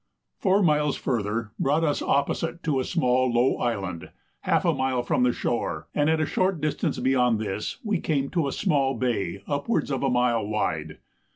Four miles further brought us opposite to a small low island, half a mile from the shore, and at a short distance beyond this we came to a small bay upwards of a mile wide.